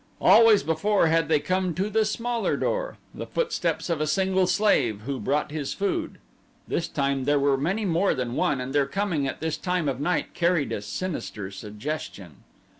Always before had they come to the smaller door the footsteps of a single slave who brought his food. This time there were many more than one and their coming at this time of night carried a sinister suggestion.